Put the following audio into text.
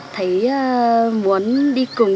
thấy muốn đi cùng